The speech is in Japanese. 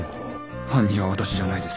犯人は私じゃないです。